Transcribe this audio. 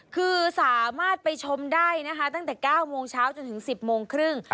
คือสามารถไปชมได้นะคะตั้งแต่๙โมงเช้าจนถึง๑๐โมงครึ่ง